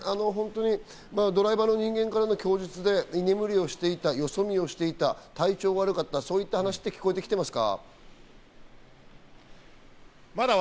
ドライバーからの供述で居眠りをしていた、よそ見をしていた、体調が悪かった、そういう話は聞こえてきていますか？